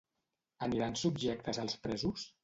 Aniran subjectes els presos?